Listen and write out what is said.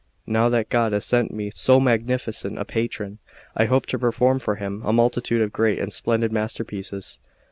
Now that God has sent me so magnificent a patron, I hope to perform for him a multitude of great and splendid master pieces."